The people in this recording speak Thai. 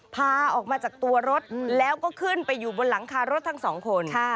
พาออกมาจากตัวรถแล้วก็ขึ้นไปอยู่บนหลังคารถทั้งสองคน